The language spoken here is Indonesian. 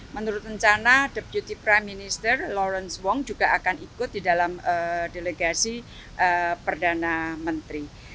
menurut rencana deputi prime minister lawrence wong juga akan ikut di dalam delegasi perdana menteri